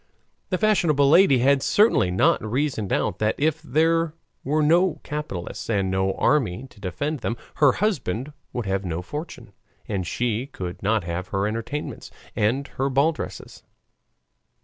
The fashionable lady had certainly not reasoned out that if there were no capitalists and no army to defend them, her husband would have no fortune, and she could not have her entertainments and her ball dresses.